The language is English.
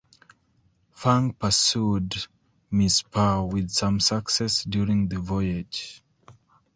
Fang pursued Miss Pao with some success during the voyage.